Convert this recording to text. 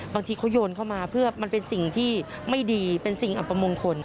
บางทีเขาโยนเข้ามาเพื่อมันเป็นสิ่งที่ไม่ดีเป็นสิ่งอัปมงคล